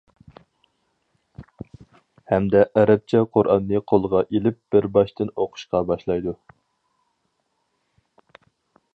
ھەمدە ئەرەبچە قۇرئاننى قولىغا ئېلىپ، بىر باشتىن ئوقۇشقا باشلايدۇ.